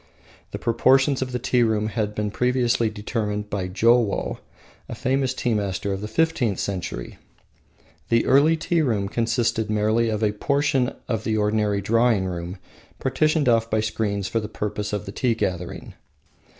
The proportions of the tea room had been previously determined by Jowo a famous tea master of the fifteenth century. The early tea room consisted merely of a portion of the ordinary drawing room partitioned off by screens for the purpose of the tea gathering.